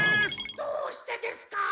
どうしてですか？